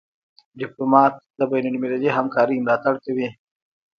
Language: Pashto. ډيپلومات د بینالمللي همکارۍ ملاتړ کوي.